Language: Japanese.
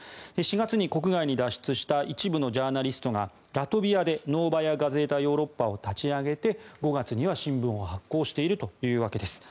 ４月に国外に脱出した一部のジャーナリストがラトビアでノーバヤ・ガゼータ・ヨーロッパを立ち上げて５月には新聞を発行しているというわけです。